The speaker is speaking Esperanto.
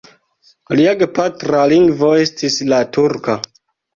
Lia gepatra lingvo estis la turka.